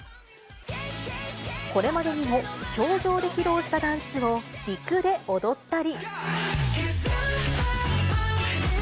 これまでにも氷上で披露したダンスを陸で踊ったり。